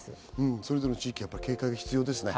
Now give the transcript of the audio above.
それぞれの地域で警戒が必要ですね。